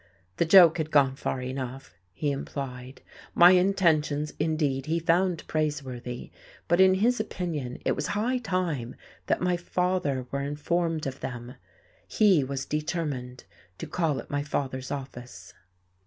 The joke had gone far enough, he implied. My intentions, indeed, he found praiseworthy, but in his opinion it was high time that my father were informed of them; he was determined to call at my father's office.